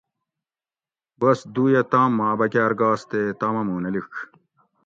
بس دُویۤہ تام ما اۤ بکاۤر گاس تے تامہ مُوں نہ لِیڄ